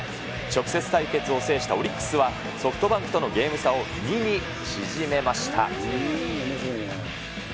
直接対決を制したオリックスは、ソフトバンクとのゲーム差を２に縮めました。